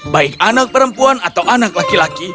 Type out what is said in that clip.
baik anak perempuan atau anak laki laki